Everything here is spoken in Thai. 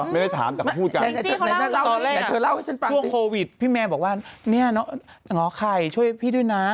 เธอถามนั่งแล้วเหรอตอนแรกช่วงโควิดพี่แม่บอกว่าน้องไข่ช่วยพี่ด้วยนะ